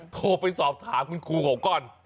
โทรไปสอบถามคุณครูเขาก่อน